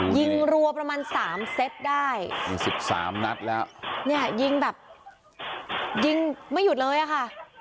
รัวประมาณสามเซตได้นี่สิบสามนัดแล้วเนี่ยยิงแบบยิงไม่หยุดเลยอะค่ะ